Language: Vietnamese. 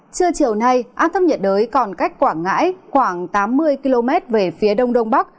trưa chiều nay áp thấp nhiệt đới còn cách quảng ngãi khoảng tám mươi km về phía đông đông bắc